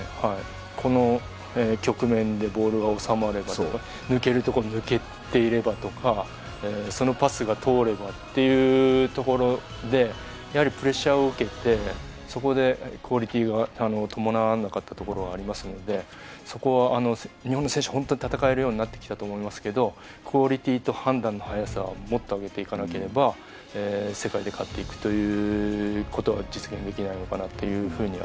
この局面でボールが収まれば抜けるところ抜けていればとかそのパスが通ればというところでやはりプレッシャーを受けてそこでクオリティーが伴わなかったところがありますので日本の選手は本当に戦えるようになってきたと思いますけどクオリティーと判断の速さはもっと上げていかなければ世界で勝っていくということは実現できないのかなというふうには。